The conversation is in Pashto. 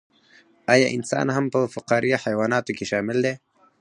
ایا انسان هم په فقاریه حیواناتو کې شامل دی